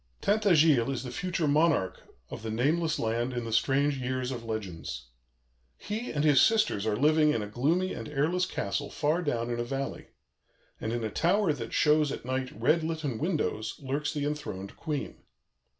"Tintagiles is the future monarch of the nameless land in the strange years of legends. He and his sisters are living in a gloomy and airless castle far down in a valley; and in a tower that shows at night red litten windows lurks the enthroned Queen.